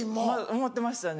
思ってましたね。